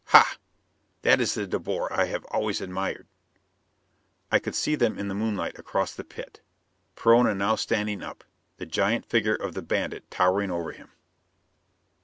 "Hah! That is the De Boer I have always admired!" I could see them in the moonlight across the pit. Perona now standing up, the giant figure of the bandit towering over him.